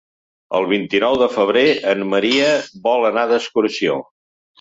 El vint-i-nou de febrer en Maria vol anar d'excursió.